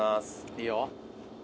いいよ。